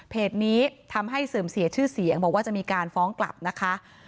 นี้ทำให้เสื่อมเสียชื่อเสียงบอกว่าจะมีการฟ้องกลับนะคะ